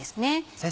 先生